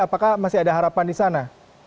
apakah masih ada harapan di sana